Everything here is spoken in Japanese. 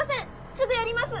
すぐやります。